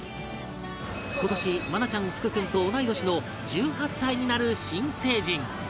今年愛菜ちゃん福君と同い年の１８歳になる新成人